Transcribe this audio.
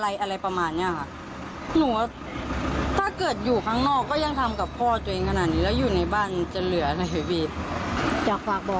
อยากฝากบอกเขาว่าถ้าเป็นพ่อจริงจริงอ่ะ